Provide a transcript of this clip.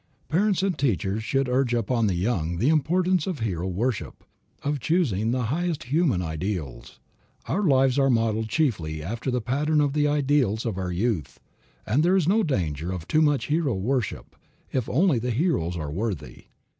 Parents and teachers should urge upon the young the importance of hero worship, of choosing the highest human ideals. Our lives are molded chiefly after the pattern of the ideals of our youth, and there is no danger of too much hero worship, if only the heroes are worthy.